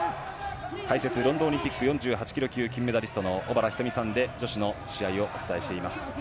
解説はロンドンオリンピック４８ｋｇ級金メダリストの小原日登美さんで女子の試合をお伝えしています。